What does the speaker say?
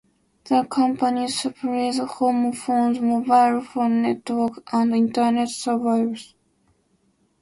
The company supplies home phones, mobile phone networks and internet services.